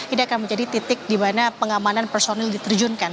ini akan menjadi titik di mana pengamanan personil diterjunkan